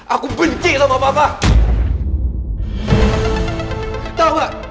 aku benci sama papa